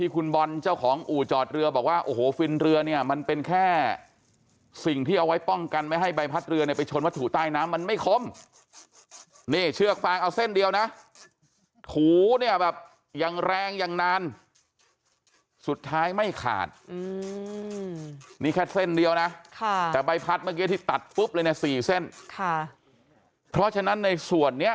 คุณบอลเจ้าของอู่จอดเรือบอกว่าโอ้โหฟินเรือเนี่ยมันเป็นแค่สิ่งที่เอาไว้ป้องกันไม่ให้ใบพัดเรือเนี่ยไปชนวัตถุใต้น้ำมันไม่คมนี่เชือกฟางเอาเส้นเดียวนะถูเนี่ยแบบยังแรงยังนานสุดท้ายไม่ขาดนี่แค่เส้นเดียวนะค่ะแต่ใบพัดเมื่อกี้ที่ตัดปุ๊บเลยเนี่ย๔เส้นค่ะเพราะฉะนั้นในส่วนเนี้ย